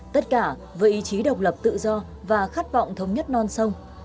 tất cả với ý chí độc lập tự do và khát vọng thống nhất non sông